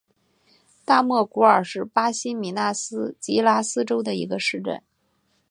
大莫古尔是巴西米纳斯吉拉斯州的一个市镇。